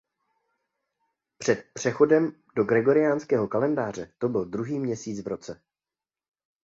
Před přechodem do gregoriánského kalendáře to byl druhý měsíc v roce.